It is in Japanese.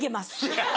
ハハハハ！